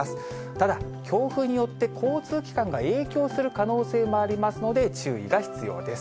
ただ、強風によって、交通機関が影響する可能性もありますので、注意が必要です。